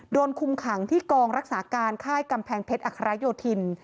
คุมขังที่กองรักษาการค่ายกำแพงเพชรอัครโยธิน